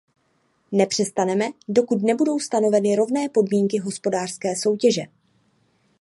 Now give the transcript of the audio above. Nepřestaneme, dokud nebudou stanoveny rovné podmínky hospodářské soutěže.